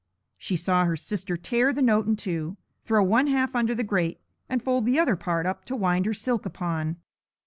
She saw her sister tear the note in two, throw one half under the grate, and fold the other part up to wind her silk upon.